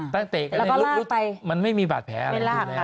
ตั้งแต่กันเนี่ยมันไม่มีบาดแผลอะไร